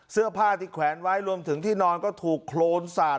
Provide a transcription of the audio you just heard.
เสื้อผ้าที่แขวนไว้รวมถึงที่นอนก็ถูกโครนสาด